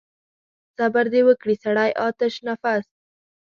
صبر دې وکړي سړی آتش نفس.